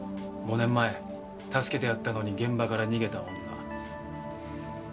５年前助けてやったのに現場から逃げた女。